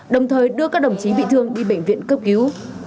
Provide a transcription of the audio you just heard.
đồng thời đưa các đồng chí bị thương đi bệnh viện cấp cứu